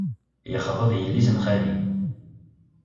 Yexḍeb yelli-s n xali.